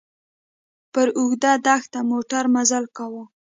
پر اوږده دښته موټر مزل کاوه.